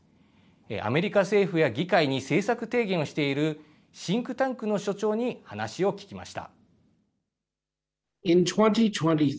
アメリカ政府や議会に政策提言をしているシンクタンクの所長に話を聞きました。